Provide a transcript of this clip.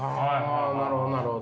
なるほどなるほど。